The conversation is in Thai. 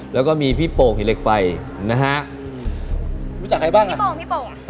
แล้วก็มีพี่โป่งหิเหล็กไฟนะฮะรู้จักใครบ้างพี่โป่งพี่โป่ง